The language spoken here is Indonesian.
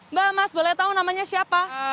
mbak mas boleh tahu namanya siapa